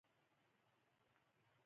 بدمرغي پیښی منځته راغلې.